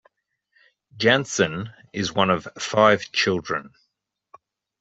Jantzen is one of five children.